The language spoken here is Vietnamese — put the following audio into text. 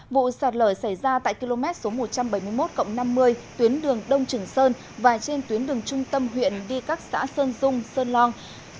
vụ sạt lở xảy ra tại km một trăm bảy mươi một năm mươi tuyến đường đông trường sơn và trên tuyến đường trung tâm huyện đi các xã sơn dung sơn long